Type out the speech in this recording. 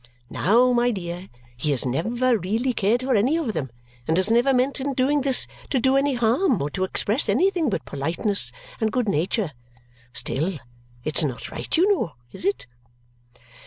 Now, my dear, he has never really cared for any one of them and has never meant in doing this to do any harm or to express anything but politeness and good nature. Still, it's not right, you know; is it?"